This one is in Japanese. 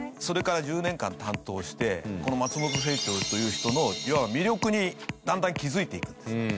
それから１０年間担当してこの松本清張という人のいわば魅力にだんだん気付いていくんです。